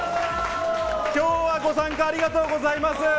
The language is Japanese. きょうはご参加ありがとうございます。